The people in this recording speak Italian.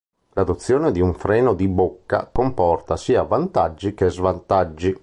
L'adozione di un freno di bocca comporta sia vantaggi che svantaggi.